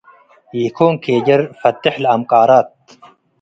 ኢኮን ኬጀር ፋቴሕ ለአምቃራት